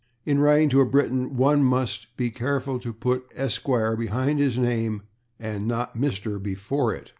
In writing to a Briton one must be careful to put /Esq./, behind his name, and not /Mr./, before it.